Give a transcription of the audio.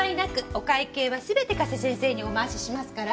お会計は全て加瀬先生にお回ししますから。